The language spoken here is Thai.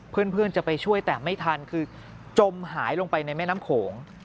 เพื่อนจะไปช่วยแต่ไม่ทันคือจมหายลงไปในแม่น้ำโขง